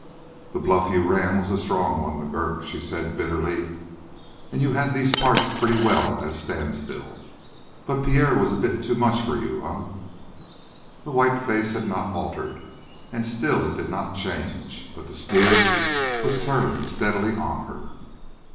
"The bluff you ran was a strong one, McGurk," she said bitterly, "and you had these parts pretty well at a standstill; but Pierre was a bit too much for you, eh?" The white face had not altered, and still it did not change, but the sneer was turned steadily on her.